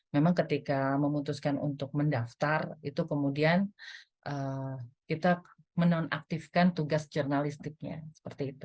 memang ketika memutuskan untuk mendaftar itu kemudian kita menonaktifkan tugas jurnalistiknya seperti itu